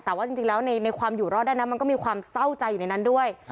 แต่ว่าจริงแล้วในความอยู่รอดได้นั้นมันก็มีความเศร้าใจอยู่ในนั้นด้วย